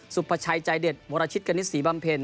สุพชัยใจเด็ดวรชิตกณิตศรีบำเพลิน